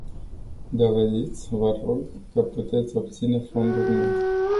Dovediți, vă rog, că puteți obține fonduri noi.